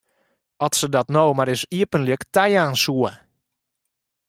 As se dat no mar ris iepentlik tajaan soe!